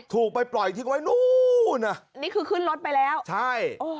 ถูกไปปล่อยทิ้งไว้นู้นอ่ะนี่คือขึ้นรถไปแล้วใช่